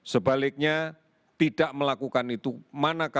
sebaliknya tidak melakukan itu